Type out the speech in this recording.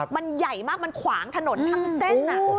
มันใหญ่มากมันขวางถนนทั้งเส้น